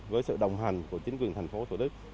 với sự đồng hành của chính quyền thành phố thủ đức